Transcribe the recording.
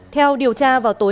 theo điều tra vào tối